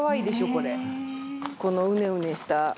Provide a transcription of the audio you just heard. これ。